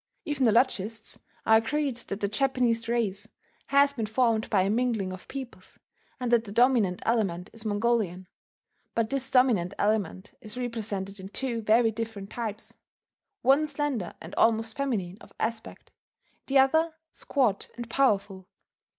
Ethnologists are agreed that the Japanese race has been formed by a mingling of peoples, and that the dominant element is Mongolian; but this dominant element is represented in two very different types, one slender and almost feminine of aspect; the other, squat and powerful.